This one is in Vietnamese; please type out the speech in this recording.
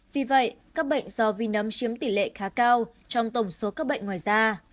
vì vậy các bệnh do vi nấm chiếm tỷ lệ khá cao trong tổng số các bệnh ngoài da